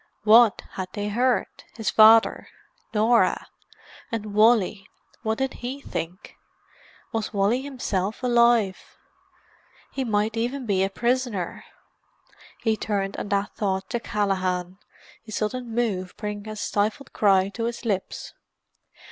What had they heard—his father, Norah? And Wally—what did he think? Was Wally himself alive? He might even be a prisoner. He turned at that thought to Callaghan, his sudden move bringing a stifled cry to his lips.